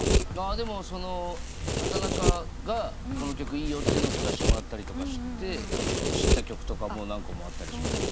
でも畠中がこの曲いいよというのを聞かせてもらったりとかして知った曲とか何個もあったりします。